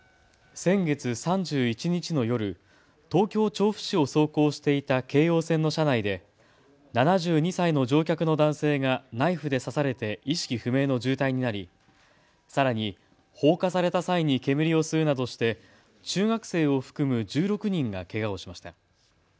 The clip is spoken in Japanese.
先月３１日の夜、東京調布市を走行していた京王線の車内で７２歳の乗客の男性がナイフで刺されて意識不明の重体になりさらに放火された際に煙を吸うなどして中学生を含む１６人がけがをしました。